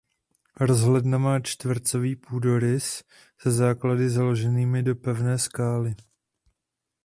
Rozhledna má čtvercový půdorys se základy založenými do pevné skály.